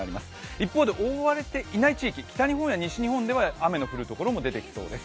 一方で覆われていない地域、北日本や西日本では雨のところもありそうです